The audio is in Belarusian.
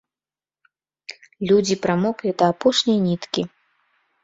Людзі прамоклі да апошняй ніткі.